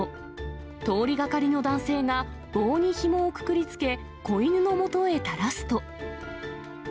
通りがかりの男性が棒にひもをくくりつけ、子犬のもとへ垂らすと。